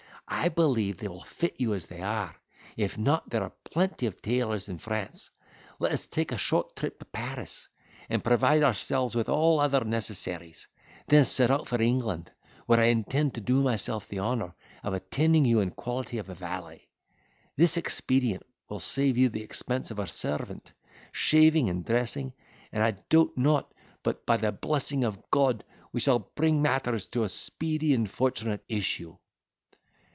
I believe they will fit you as they are, if not there are plenty of tailors in France. Let us take a short trip to Paris, and provide ourselves with all other necessaries, then set out for England, where I intend to do myself the honour of attending you in quality of a valet. This expedient will save you the expense of a servant, shaving, and dressing; and I doubt not but, by the blessing of God, we shall bring matters to a speedy and fortunate issue."